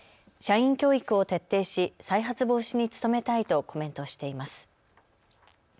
社員教育を徹底し再発防止に努めたいとコメントしています。